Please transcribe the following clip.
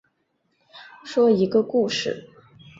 说一个故事